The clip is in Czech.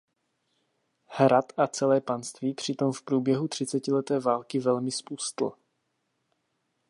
Hrad a celé panství přitom v průběhu třicetileté války velmi zpustl.